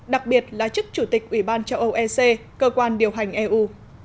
đặc biệt là chức chủ tịch ủy ban châu âu ec cơ quan điều hành eu